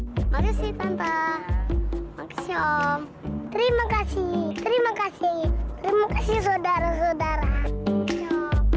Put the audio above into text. makasih tante maksi om terima kasih terima kasih terima kasih sodara sodara